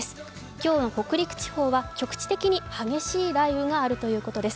今日の北陸地方は局地的に激しい雷雨があるということです。